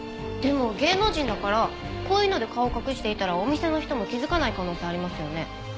でも芸能人だからこういうので顔を隠していたらお店の人も気づかない可能性ありますよね。